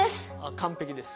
完璧です。